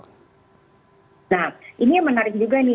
nah ini yang menarik juga nih